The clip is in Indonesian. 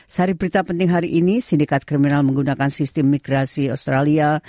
sehari berita penting hari ini sindikat kriminal menggunakan sistem migrasi australia